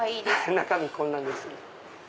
中身こんなんです。